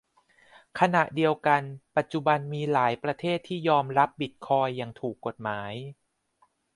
ขณะเดียวกันปัจจุบันมีหลายประเทศที่ยอมรับบิตคอยน์อย่างถูกกฎหมาย